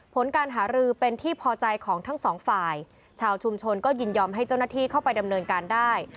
ผลการหารือเป็นที่พอใจของทั้งสองฝ่ายชาวชุมชนก็ยินยอมให้เจ้าหน้าที่เข้าไปดำเนินการได้